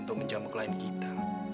untuk menjamuk lain kita